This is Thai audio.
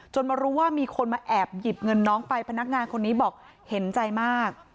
มารู้ว่ามีคนมาแอบหยิบเงินน้องไปพนักงานคนนี้บอกเห็นใจมาก